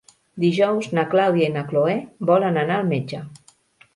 Dijous na Clàudia i na Cloè volen anar al metge.